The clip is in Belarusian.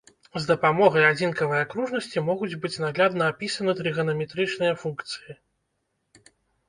З дапамогай адзінкавай акружнасці могуць быць наглядна апісаны трыганаметрычныя функцыі.